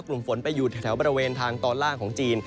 กลุ่มฝนไปอยู่แถวบริเวณทางตอนล่างของจีน